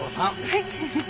はい。